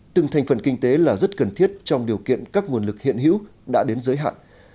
từng thành phần kinh tế là rất cần thiết trong điều kiện các nguồn lực hiện hữu đã đến giới hạn